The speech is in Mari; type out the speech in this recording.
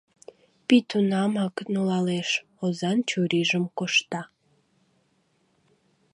Пий тунамак нулалеш, озан чурийжым кошта.